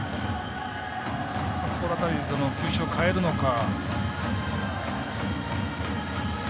この辺り球種変えるのか。